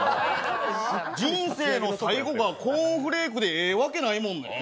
人生の最期がコーンフレークでええわけないもんな。